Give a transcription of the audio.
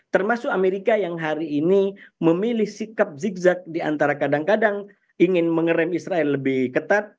termasuk amerika yang hari ini memilih sikap zigzag diantara kadang kadang ingin mengerem israel lebih ketat